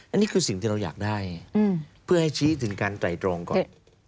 อันนี้คือสิ่งที่เราอยากได้เพื่อให้ชี้ถึงการไตรตรองก่อน